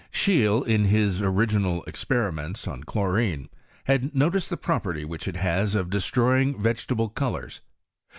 Scheele, in his original experiments on chlorine, had noticed the property which it has of destroying vegetable colours.